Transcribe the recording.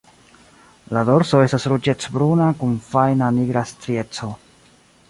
La dorso estas ruĝecbruna kun fajna nigra strieco.